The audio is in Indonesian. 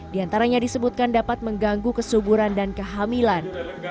di antaranya disebutkan dapat mengganggu kesuburan dan kehamilan